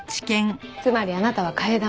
つまりあなたは替え玉。